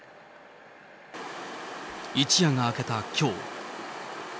一夜が明けたきょう。